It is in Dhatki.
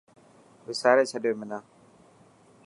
وساري ڇڏيو منا.